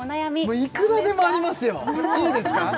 もういくらでもありますよいいですか？